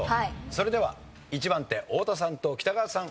それでは１番手太田さんと北川さん